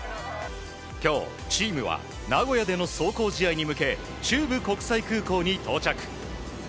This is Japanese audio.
今日、チームは名古屋での壮行試合に向け中部国際空港に到着。